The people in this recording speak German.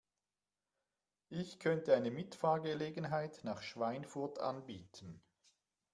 Ich könnte eine Mitfahrgelegenheit nach Schweinfurt anbieten